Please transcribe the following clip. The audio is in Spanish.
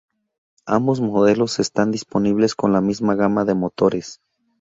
Ambos modelos están disponibles con la misma gama de motores.